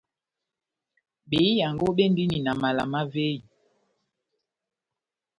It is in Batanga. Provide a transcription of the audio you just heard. Behiyaango béndini na mala má véyi,